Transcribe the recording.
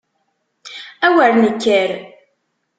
A wer nekker!